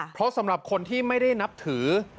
เพราะสำหรับคนที่ไม่ได้นับถือ